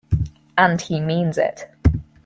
And he means it.